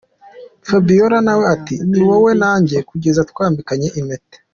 Fabiola nawe ati ni wowe nanjye kugeza twambikanye impeta.